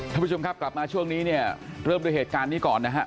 ท่านผู้ชมครับกลับมาช่วงนี้เนี่ยเริ่มด้วยเหตุการณ์นี้ก่อนนะฮะ